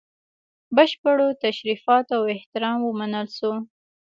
بشپړو تشریفاتو او احترام ومنل سو.